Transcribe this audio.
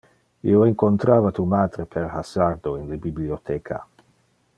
Io incontrava tu matre per hasardo in le bibliotheca.